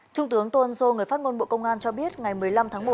trung tướng tô ân sô người phát ngôn bộ công an cho biết ngày một mươi năm tháng một